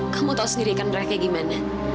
kamu tahu sendiri kenderaannya bagaimana